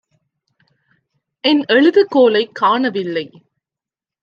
என் எழுதுகோலைக் காணவில்லை.